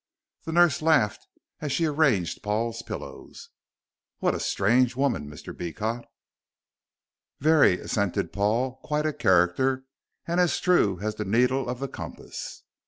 The nurse laughed as she arranged Paul's pillows. "What a strange woman, Mr. Beecot." "Very," assented Paul, "quite a character, and as true as the needle of the compass."